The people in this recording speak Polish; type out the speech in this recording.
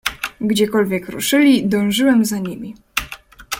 "Gdziekolwiek się ruszyli, dążyłem za nimi."